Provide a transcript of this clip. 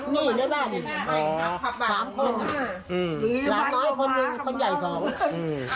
นี่เนี่ยแม่นสามคนหลักน้อยคนหนึ่งคนใหญ่สอง